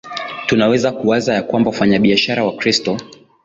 Tunaweza kuwaza ya kwamba wafanyabiashara Wakristo